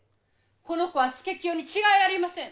この子は佐清に違いありません。